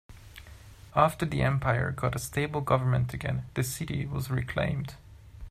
After the empire got a stable government again, the city was reclaimed.